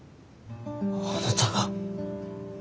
あなたが。